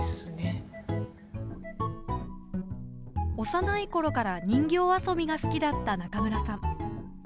幼いころから人形遊びが好きだった中村さん。